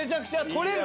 取れる。